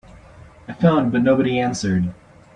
I phoned but nobody answered.